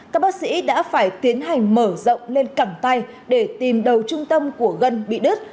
các bác sĩ đã phải tiến hành mở rộng lên cẳng tay để tìm đầu trung tâm của gân bị đứt